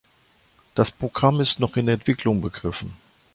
Das Programm ist noch in der Entwicklung begriffen.